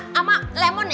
sama lemon ya